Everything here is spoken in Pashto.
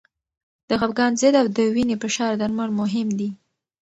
د خپګان ضد او د وینې فشار درمل مهم دي.